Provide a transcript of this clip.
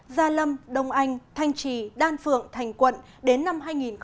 gia lâm đông anh thanh trì đan phượng thành quận đến năm hai nghìn hai mươi